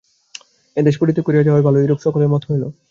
এ দেশ পরিত্যাগ করিয়া যাওয়াই ভালো এইরূপ সকলের মত হইল।